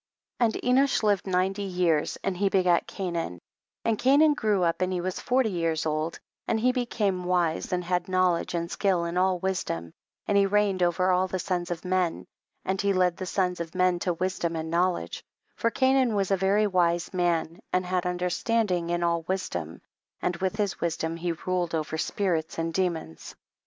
10. And Enosh lived ninety j'ears and he begat Cainan ; 11. And Cainan grew up and he was forty years old, and he became wise and had knowledge and skill in all wisdom, and he reigned over all the sons of men, and he led the sons of men to wisdom and knowledge ; for Cainan was a very wise man and had understanding in all wisdom, and with his wisdom he ruled over spirits and daemons ; 12.